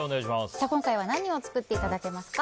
今回は何を作っていただけますか？